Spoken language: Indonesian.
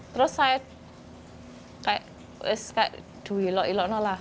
terus saya kayak is kayak dui lo ilo nolah